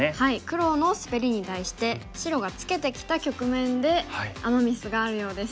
黒のスベリに対して白がツケてきた局面でアマ・ミスがあるようです。